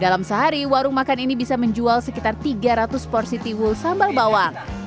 dalam sehari warung makan ini bisa menjual sekitar tiga ratus porsi tiwul sambal bawang